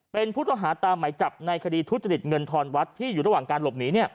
เป็นพุทธภาษาตามัยจับในคดีทุศจดิตเงินธรรมวัฒน์ที่อยู่ระหว่างการหลบหนี